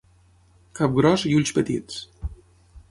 Cap gros i ulls petits.